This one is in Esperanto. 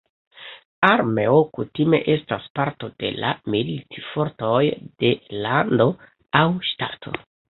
Armeo kutime estas parto de la militfortoj de lando aŭ ŝtato.